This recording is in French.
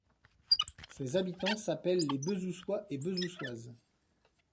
Ses habitants s'appellent les Bezouçois et Bezouçoises.